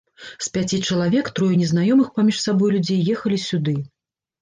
З пяці чалавек трое незнаёмых паміж сабой людзей ехалі сюды.